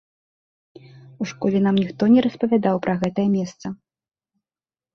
У школе нам ніхто не распавядаў пра гэтае месца.